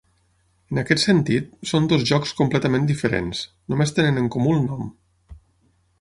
En aquest sentit, són dos jocs completament diferents, només tenen en comú el nom.